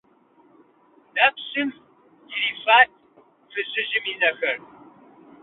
Нэпсым ирифат фызыжьым и нэхэр.